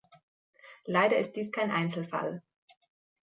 Leider ist dies kein Einzelfall.